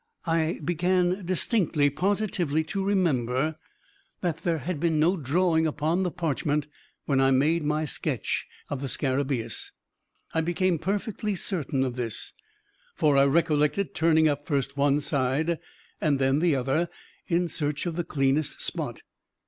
I began distinctly, positively, to remember that there had been no drawing upon the parchment when I made my sketch of the scarabaeus. I became perfectly certain of this; for I recollected turning up first one side and then the other, in search of the cleanest spot.